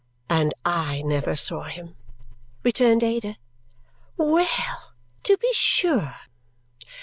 "And I never saw him!" returned Ada. Well, to be sure!